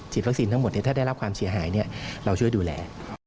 วัคซีนทั้งหมดถ้าได้รับความเสียหายเราช่วยดูแล